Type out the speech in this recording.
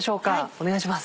お願いします。